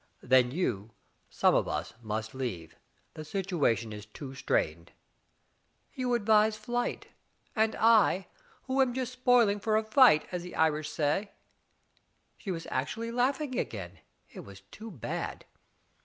"Then you — some of us must leave. The situ ation is too strained." "You advise flight ; and I, who am just spoiling for a fight, as the Irish say " she was actually laughing again, it was too bad.